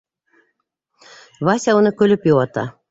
Вася уны көлөп йыуата: